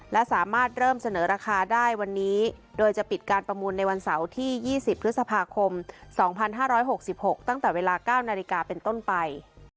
และสามารถเริ่มเสนอราคาได้วันนี้โดยจะปิดการประมูลในวันเสาร์ที่๒๐พฤษภาคม๒๕๖๖ตั้งแต่เวลา๙นาฬิกาเป็นต้นไป